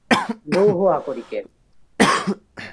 লৌহ আকরিকের।